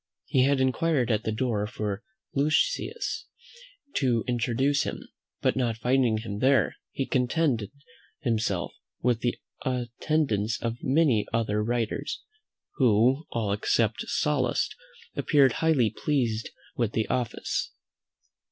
He had inquired at the door for Lucceius to introduce him, but not finding him there, he contented himself with the attendance of many other writers, who all, except Sallust, appeared highly pleased with the office.